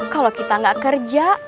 kalau kita nggak kerja